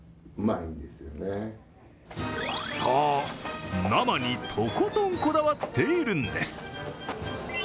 そう、生にとことんこだわっているんです。